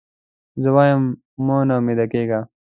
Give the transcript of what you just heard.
زه وایم مه نا امیده کېږی.